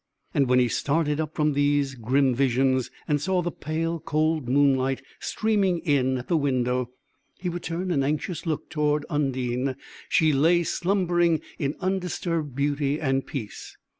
And when he started up from these grim visions, and saw the pale, cold moonlight streaming in at the window, he would turn an anxious look toward Undine; she lay slumbering in undisturbed beauty and peace.